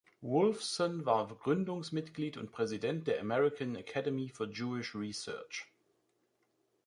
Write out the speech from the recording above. Wolfson war Gründungsmitglied und Präsident der American Academy for Jewish Research.